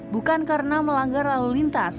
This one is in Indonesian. bukan karena melanggar lalu lintas